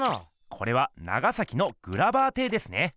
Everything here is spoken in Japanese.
これは長崎のグラバー邸ですね。